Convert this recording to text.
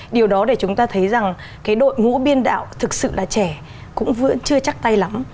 điều đó để chúng ta thấy rằng cái đội ngũ biên đạo thực sự là trẻ cũng vẫn chưa chắc tay lắm